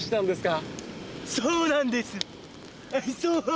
そうなんです。